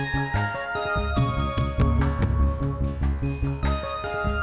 jangan jauh tidur doang tolong